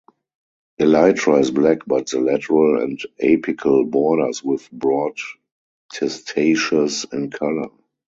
Elytra is black but the lateral and apical borders with broad testaceous in color.